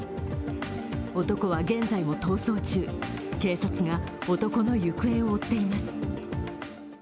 男は現在も逃走中警察が男の行方を追っています。